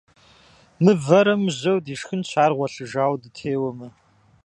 Мывэрэ мыжьэу дишхынщ, ар гъуэлъыжауэ дытеуэмэ.